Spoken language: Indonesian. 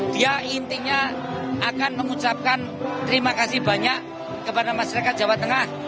dia intinya akan mengucapkan terima kasih banyak kepada masyarakat jawa tengah